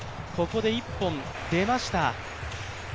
ここで１本、出ました。